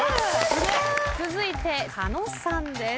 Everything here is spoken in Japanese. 続いて狩野さんです。